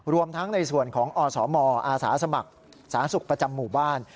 รวมทั้งในส่วนของอสมอาสาสมัครสาธารณสุขประจำหมู่บ้าน